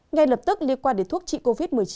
ngay lập tức liên quan đến thuốc trị covid một mươi chín